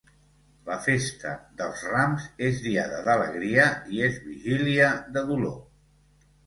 -La festa dels Rams és diada d'alegria i és vigília de dolor.